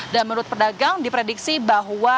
dan menurut pedagang diprediksi bahwa